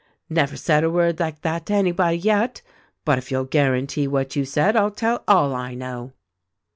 'Never said a word like that to anybody, yet ; but if you'll guarantee what you said, I'll tell all I know.'